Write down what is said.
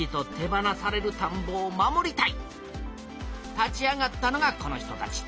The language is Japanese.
立ち上がったのがこの人たち。